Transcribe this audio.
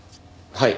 はい。